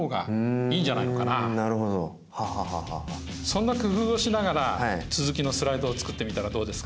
そんな工夫をしながら続きのスライドを作ってみたらどうですか？